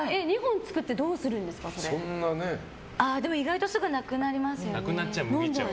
意外とすぐなくなりますよね。